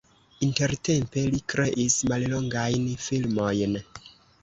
Intertempe li kreis mallongajn filmojn.